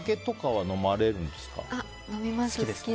飲みます。